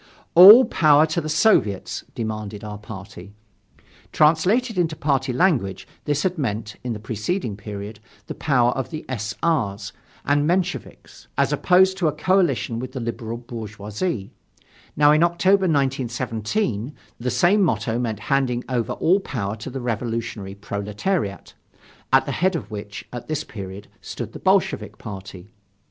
All power to the Soviets! demanded our party. Translated into party language, this had meant, in the preceding period, the power of the S. R.'s and Mensheviks, as opposed to a coalition with the liberal bourgeoisie. Now, in October 1917, the same motto meant handing over all power to the revolutionary proletariat, at the head of which, at this period, stood the Bolshevik party.